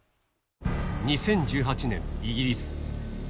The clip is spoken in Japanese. ２０１８年、イギリス。